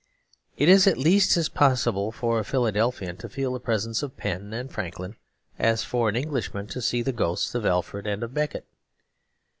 It is at least as possible for a Philadelphian to feel the presence of Penn and Franklin as for an Englishman to see the ghosts of Alfred and of Becket.